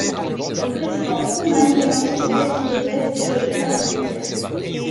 Le président Truman démentit de telles hypothèses développées dans les médias.